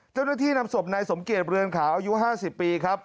เจ้าหน้าที่นำศพนายสมเกียจเรือนขาวอายุ๕๐ปีครับ